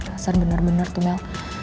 rasanya bener bener tuh mel